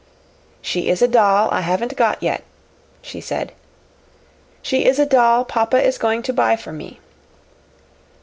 "She is a doll I haven't got yet," she said. "She is a doll papa is going to buy for me.